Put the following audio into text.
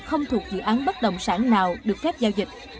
không thuộc dự án bất động sản nào được phép giao dịch